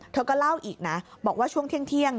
เธอก็เล่าอีกนะบอกว่าช่วงเที่ยง